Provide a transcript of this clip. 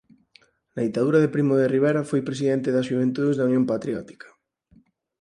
Na ditadura de Primo de Rivera foi presidente das xuventudes da Unión Patriótica.